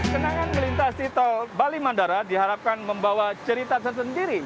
kenangan melintasi tol bali mandara diharapkan membawa cerita tersendiri